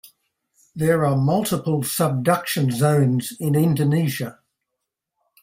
There are multiple subduction zones in Indonesia.